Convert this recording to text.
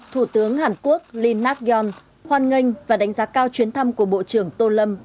thủ tướng hàn quốc linh nạc gion hoan nghênh và đánh giá cao chuyến thăm của bộ trưởng tô lâm